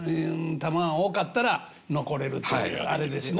玉が多かったら残れるっていうあれですね。